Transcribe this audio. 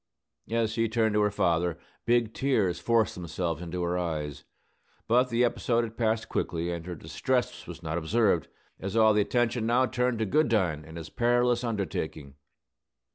As she turned to her father, big tears forced themselves into her eyes. But the episode had passed quickly; and her distress was not observed, as all attention now turned to Goodine and his perilous undertaking.